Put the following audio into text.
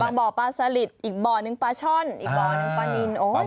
บ่อปลาสลิดอีกบ่อนึงปลาช่อนอีกบ่อหนึ่งปลานิน